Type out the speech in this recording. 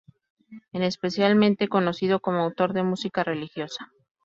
Es especialmente conocido como autor de música religiosa.